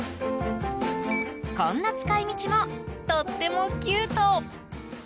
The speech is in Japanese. こんな使い道もとってもキュート。